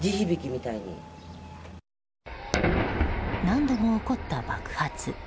何度も起こった爆発。